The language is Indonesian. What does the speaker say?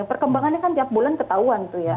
perkembangannya kan tiap bulan ketahuan